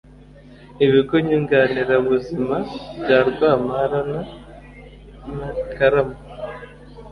ibigo nyunganirabuzima bya Rwamparana ns Karama